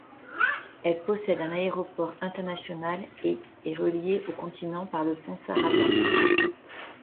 Elle possède un aéroport international et est reliée au continent par le Pont Sarasin.